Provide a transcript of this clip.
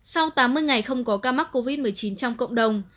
sau tám mươi ngày không có ca mắc covid một mươi chín trong cộng đồng